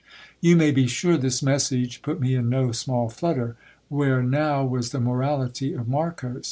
You may be sure this message put me in no small flutter. Where now was the morality of Marcos